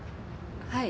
はい。